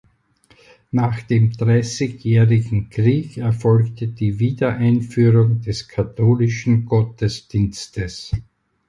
Nach dem Dreißigjährigen Krieg erfolgte die Wiedereinführung des katholischen Gottesdienstes.